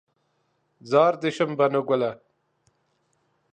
زار دې شم بنو ګله